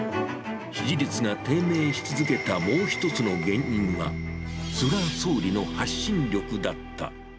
支持率が低迷し続けたもう一つの原因は、菅総理の発信力だった。